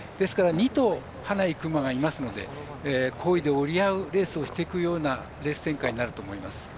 ２頭、ハナ行く馬がいますので好位で折り合うレースをしていくようなレース展開になると思います。